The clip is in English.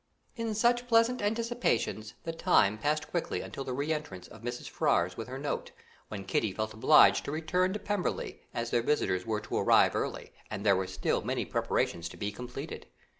In such pleasant anticipations the time passed quickly until the re entrance of Mrs. Ferrars with her note, when Kitty felt obliged to return to Pemberley, as their visitors were to arrive early, and there were still many preparations to be completed.